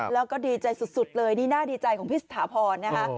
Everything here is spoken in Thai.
แล้วก็ดีใจสุดเลยนี่น่าดีใจของพี่สถาพรนะคะ